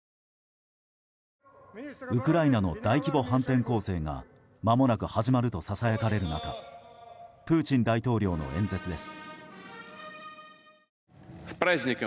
ウクライナの大規模反転攻勢がまもなく始まるとささやかれる中プーチン大統領の演説です。